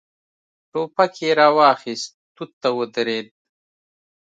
ټوپک يې را واخيست، توت ته ودرېد.